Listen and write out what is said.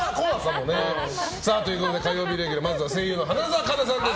火曜日レギュラーまずは声優の花澤香菜さんです。